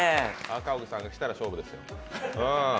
赤荻さんが来たら勝負ですよ。